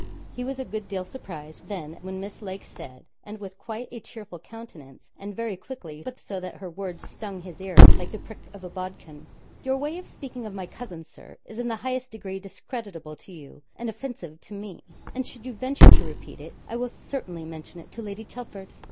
He was a good deal surprised, then, when Miss Lake said, and with quite a cheerful countenance, and very quickly, but so that her words stung his ear like the prick of a bodkin. 'Your way of speaking of my cousin, Sir, is in the highest degree discreditable to you and offensive to me, and should you venture to repeat it, I will certainly mention it to Lady Chelford.'